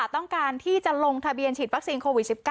ต้องการที่จะลงทะเบียนฉีดวัคซีนโควิด๑๙